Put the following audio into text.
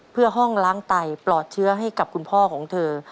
เพื่อห้องล้างไตปลอดเชื้อให้กับคุณพ่อของเธอ